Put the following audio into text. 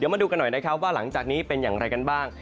นี้มาดูกันหน่อยว่าหลังจากนี้เป็นอย่างไรบ้าง